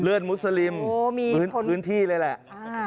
มุสลิมพื้นที่เลยแหละ